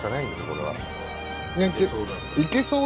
これは。